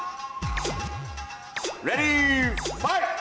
レディー・ファイト！